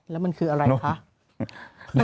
แล้วมันคืออะไรคะ